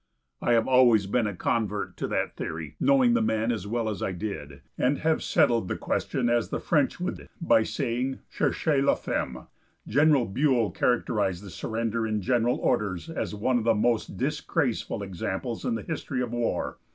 I have always been a convert to that theory, knowing the man as well as I did, and have settled the question as the French would, by saying "Cherchez la femme." General Buell characterized the surrender in general orders as one of the most disgraceful examples in the history of war.